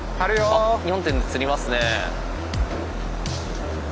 あっ４点で吊りますね。